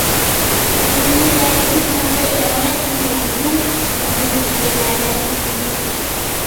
L'hiver islandais est relativement doux en dépit de la latitude.